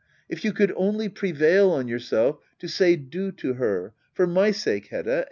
If you could only prevail on yourself to say du ^ to her. For my sake, Hedda